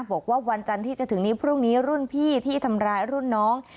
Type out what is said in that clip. บอกว่าวันจันทร์ที่จะถึงนี้พรุ่งนี้รุ่นพี่ที่ทำร้ายรุ่นน้อง